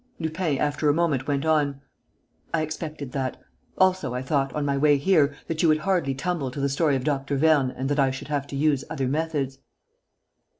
Lupin, after a moment, went on: "I expected that. Also, I thought, on my way here, that you would hardly tumble to the story of Dr. Vernes and that I should have to use other methods."